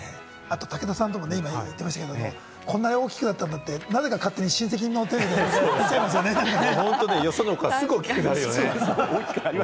武田さんとも今言ってましたけれども、こんなに大きくなったんだって、なぜか勝手に親戚モーよその子はすぐ大きくなるよね。